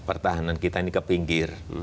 pertahanan kita ini ke pinggir